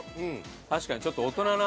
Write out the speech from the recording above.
確かにちょっと大人な。